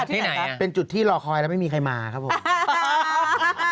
นี่นะครับเป็นจุดที่รอคอยแล้วไม่มีใครมาครับผม